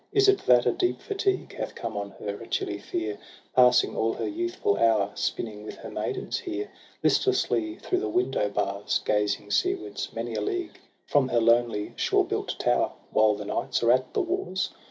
Is it that a deep fatigue Hath come on her, a chilly fear, Passing all her youthful hour Spinning with her maidens here, Listlessly through the window bars Gazing seawards many a league From her lonely shore built tower, While the knights are at the wars